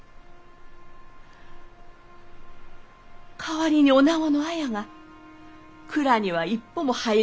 代わりにおなごの綾が蔵には一歩も入れん